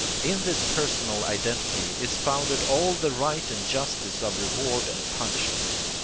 ... In this personal identity is founded all the right and justice of reward and punishment.